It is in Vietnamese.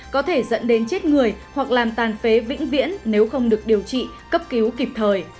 có thể dẫn đến chết người hoặc làm tàn phế vĩnh viễn nếu không được điều trị cấp cứu kịp thời